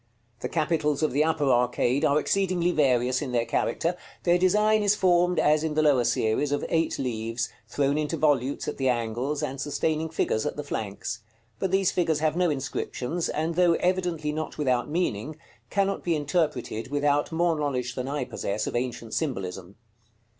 The capitals of the upper arcade are exceedingly various in their character; their design is formed, as in the lower series, of eight leaves, thrown into volutes at the angles, and sustaining figures at the flanks; but these figures have no inscriptions, and though evidently not without meaning, cannot be interpreted without more knowledge than I possess of ancient symbolism.